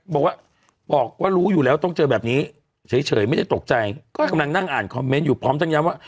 บอกว่าบอกว่ารู้อยู่แล้วต้องเจอแบบนี้เฉยไม่ได้ตกใจก็กำลังนั่งอ่านคอมเมนต์อยู่พร้อมทั้งย้ำว่า